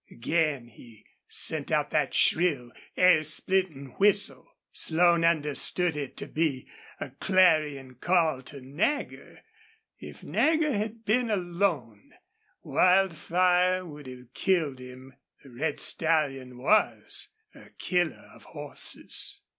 Again he sent out that shrill, air splitting whistle. Slone understood it to be a clarion call to Nagger. If Nagger had been alone Wildfire would have killed him. The red stallion was a killer of horses.